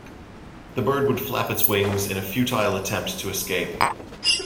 The bird would flap its wings in a futile attempt to escape.